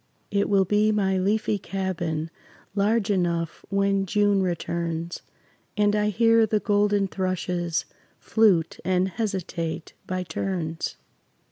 It will be my leafy cabin, Large enough when June returns And I hear the golden thrushes Flute and hesitate by turns.